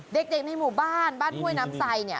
เด็กในหมู่บ้านบ้านห้วยน้ำไซเนี่ย